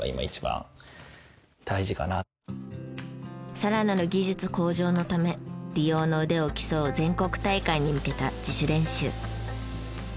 さらなる技術向上のため理容の腕を競う全国大会に向けた自主練習。